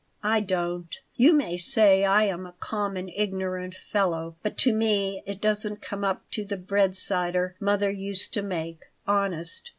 I don't. You may say I am a common, ignorant fellow, but to me it doesn't come up to the bread cider mother used to make. Honest."